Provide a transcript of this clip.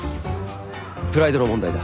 プライドの問題だ。